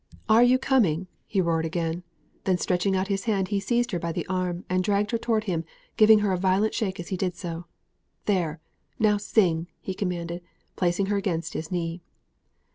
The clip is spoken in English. "Are you coming?" he roared again; then, stretching out his hand, he seized her by the arm, and dragged her towards him, giving her a violent shake as he did so. "There now sing!" he commanded, placing her against his knee.